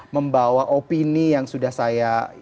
membawa opini yang sudah saya